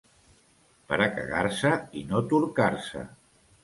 Per a cagar-se i no torcar-se.